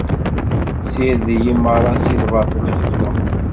Ssired-iyi merra si lbaṭel i xedmeɣ.